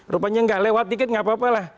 rupanya gak lewat dikit gak apa apa lah